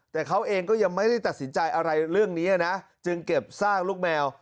แต่เขาเองก็ยังไม่ได้ตัดสินใจอะไรเรื่องนี้นะจึงเก็บซากลูกแมว